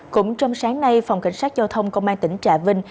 cũng trong sáng nay phòng cảnh sát giao thông công an tỉnh trà vinh